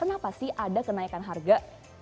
karena pasti ada kenaikan harga